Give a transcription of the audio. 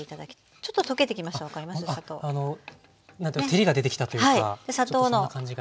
照りが出てきたというかそんな感じが。